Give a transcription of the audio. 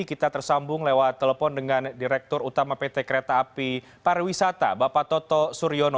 kita tersambung lewat telepon dengan direktur utama pt kereta api pariwisata bapak toto suryono